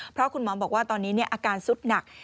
เพราะคุณหมอบอกว่าตอนนี้อาการสุดหนัก